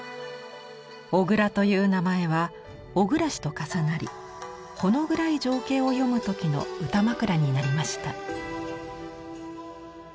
小倉という名前は「小暗し」と重なりほの暗い情景を詠む時の歌枕になりました。